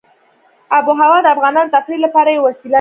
آب وهوا د افغانانو د تفریح لپاره یوه وسیله ده.